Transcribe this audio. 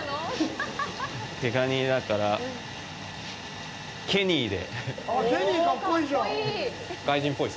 毛ガニだから、ケニーで。